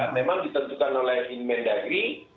memang ditentukan oleh inmen dagri